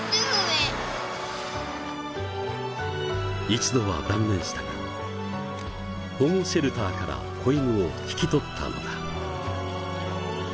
一度は断念したが保護シェルターから子犬を引き取ったのだ。